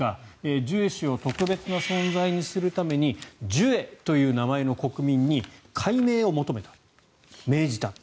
ジュエ氏を特別な存在にするためにジュエという名前の国民に改名を命じたと。